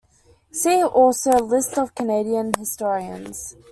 See also "List of Canadian historians".